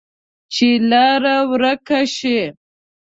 چې لار ورکه شي،